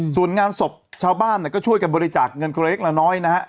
ส่วนงานศพชาวบ้านก็ช่วยกันบริจาคเงินคนละเล็กละน้อยนะฮะ